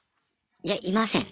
いやいません。